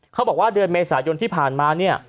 เขาบอกว่าเดือนเมษายนที่ผ่านมาเนี่ย